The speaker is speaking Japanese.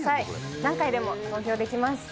何回でも投票できます。